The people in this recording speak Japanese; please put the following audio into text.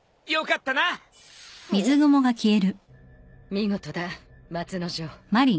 見事だ松之丞。